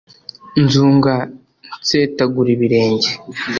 nzunga nsetagura ibirenge,